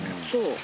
そう。